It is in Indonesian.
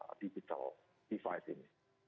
dan banyak berinteraksi setiap hari dengan digital